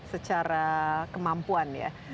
secara kemampuan ya